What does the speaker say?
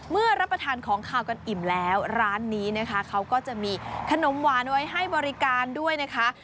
รับประทานของขาวกันอิ่มแล้วร้านนี้นะคะเขาก็จะมีขนมหวานไว้ให้บริการด้วยนะคะ